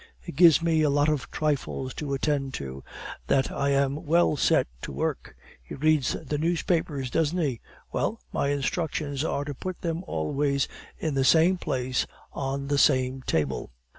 He gives me a lot of trifles to attend to, that I am well set to work! He reads the newspapers, doesn't he? Well, my instructions are to put them always in the same place, on the same table.